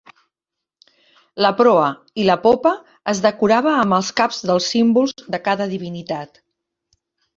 La proa i la popa es decorava amb els caps dels símbols de cada divinitat.